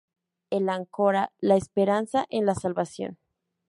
El áncora, la esperanza en la salvación.